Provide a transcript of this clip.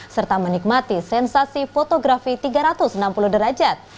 serta menikmati sensasi fotografi tiga ratus enam puluh derajat